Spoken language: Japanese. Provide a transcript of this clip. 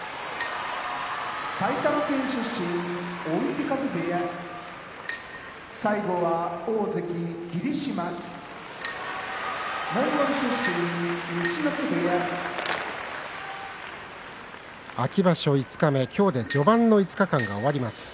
埼玉県出身追手風部屋大関・霧島モンゴル出身陸奥部屋秋場所五日目今日で序盤の５日間が終わります。